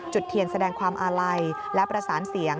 เทียนแสดงความอาลัยและประสานเสียง